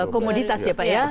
komoditas ya pak ya